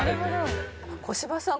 小芝さん